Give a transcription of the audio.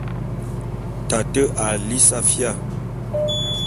Tate a lí safía.